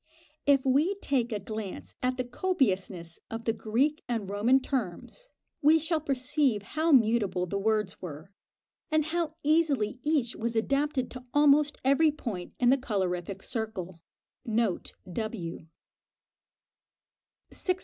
If we take a glance at the copiousness of the Greek and Roman terms, we shall perceive how mutable the words were, and how easily each was adapted to almost every point in the colorific circle. Note W. 609.